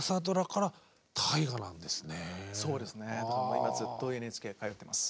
もう今ずっとＮＨＫへ通ってます。